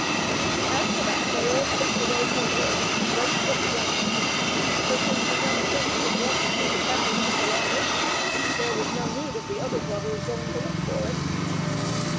After that they all stepped away homeward, right foot foremost; for since the young prince had brought the Fruit of Happiness along with him, there was no need of the other brothers going to look for it.